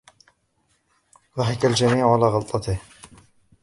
ضَحك الجميع على غلطتِهِ.